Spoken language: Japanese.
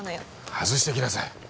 外してきなさい！